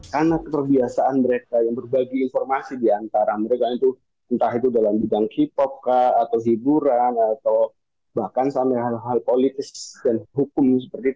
karena kebiasaan mereka yang berbagi informasi di antara mereka itu entah itu dalam bidang hip hop kah atau hiburan atau bahkan sama hal hal politis dan hukum seperti itu